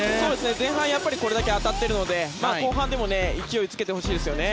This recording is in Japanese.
前半これだけ当たっているので後半も勢いをつけてほしいですね。